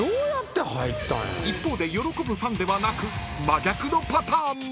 ［一方で喜ぶファンではなく真逆のパターンも］